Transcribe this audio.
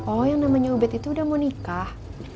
oh yang namanya ubed itu udah mau nikah